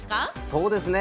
そうですね。